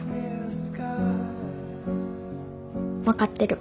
分かってる。